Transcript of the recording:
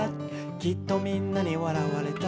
「きっとみんなにわらわれた」